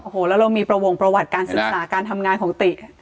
โอ้โหแล้วเรามีประวงประวัติการศึกษาการทำงานของติ